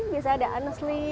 biasanya ada anesli